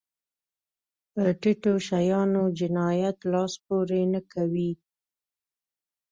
په ټيټو شیانو جنایت لاس پورې نه کوي.